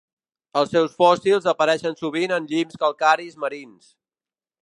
Els seus fòssils apareixen sovint en llims calcaris marins.